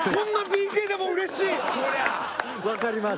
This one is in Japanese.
わかります。